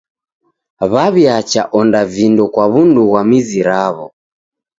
W'aw'iacha onda vindo kwa w'undu ghwa mizi raw'o.